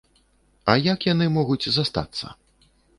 А як яны могуць застацца?